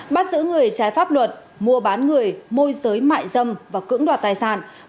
bắt giữ người trái pháp luật mua bán người môi giới mại dâm và cưỡng đoạt tài sản